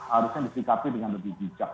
harusnya disikapi dengan lebih bijak